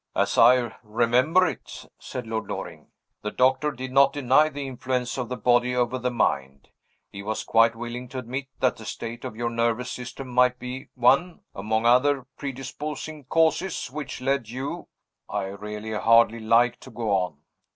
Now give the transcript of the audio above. "As I remember it," said Lord Loring, "the doctor did not deny the influence of the body over the mind. He was quite willing to admit that the state of your nervous system might be one, among other predisposing causes, which led you I really hardly like to go on."